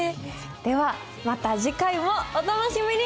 ではまた次回もお楽しみに！